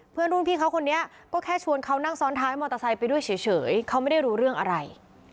เพื่อนรุ่นพี่เขาคนนี้ก็แค่ชวนเขานั่งซ้อนท้ายมอเตอร์ไซค์ไปด้วยเฉยเขาไม่ได้รู้เรื่องอะไร